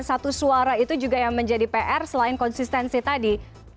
satu suara itu juga yang menjadi pr selain konsistensi tadi